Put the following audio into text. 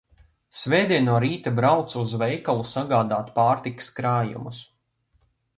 Svētdien no rīta braucu uz veikalu sagādāt pārtikas krājumus.